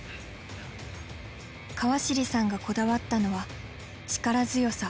川尻さんがこだわったのは力強さ。